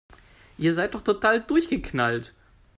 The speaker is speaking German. Ihr seid doch total durchgeknallt!